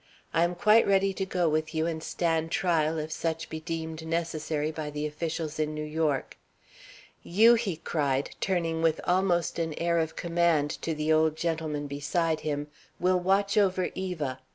I am quite ready to go with you and stand trial, if such be deemed necessary by the officials in New York. You," he cried, turning with almost an air of command to the old gentleman beside him, "will watch over Eva.